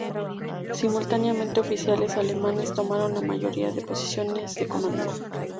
Simultáneamente, oficiales alemanes tomaron la mayoría de posiciones de comando.